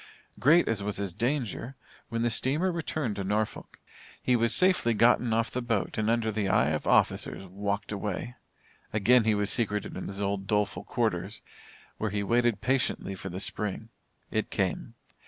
Great as was his danger, when the steamer returned to Norfolk, he was safely gotten off the boat and under the eye of officers walked away. Again he was secreted in his old doleful quarters, where he waited patiently for the Spring. It came.